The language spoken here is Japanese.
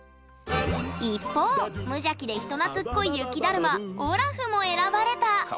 一方無邪気で人懐っこい雪だるまオラフも選ばれた！